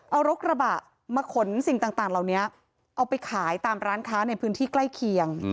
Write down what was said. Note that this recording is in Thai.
เอารกระบะมาขนสิ่งต่างเหล่านี้เอาไปขายตามร้านค้าในพื้นที่ใกล้เคียง